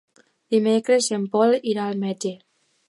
Dimecres en Pol irà al metge.